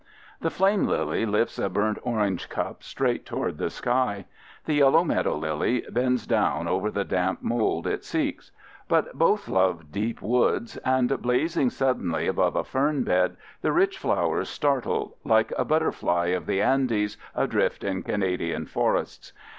The flame lily lifts a burnt orange cup straight toward the sky. The yellow meadow lily bends down over the damp mold it seeks. But both love deep woods, and, blazing suddenly above a fern bed, the rich flowers startle, like a butterfly of the Andes adrift in Canadian forests.